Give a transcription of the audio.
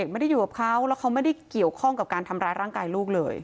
ไม่ได้อยู่กับเขาแล้วเขาไม่ได้เกี่ยวข้องกับการทำร้ายร่างกายลูกเลย